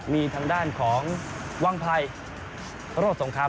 มีทางด้านของวังไพรโรธสงคราม